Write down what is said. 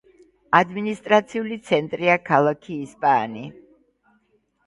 ადმინისტრაციული ცენტრია ქალაქი ისპაანი.